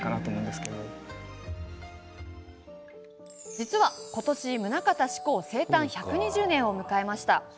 実は、今年、棟方志功生誕１２０年を迎えました。